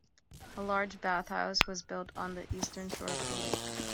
A large bathhouse was built on the eastern shore of the lake.